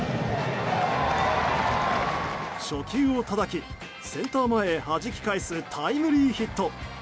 初球をたたきセンター前へはじき返すタイムリーヒット。